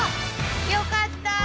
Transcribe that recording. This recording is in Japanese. よかった！